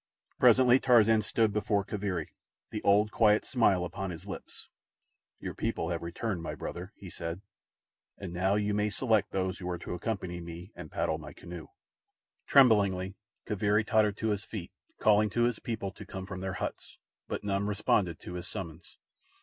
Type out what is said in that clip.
Presently Tarzan stood before Kaviri, the old quiet smile upon his lips. "Your people have returned, my brother," he said, "and now you may select those who are to accompany me and paddle my canoe." Tremblingly Kaviri tottered to his feet, calling to his people to come from their huts; but none responded to his summons.